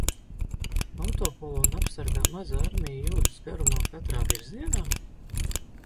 Autokolonnu apsargā maza armija jūdzes garumā katrā virzienā?